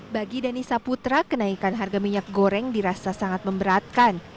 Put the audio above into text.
bagi dani saputra kenaikan harga minyak goreng dirasa sangat memberatkan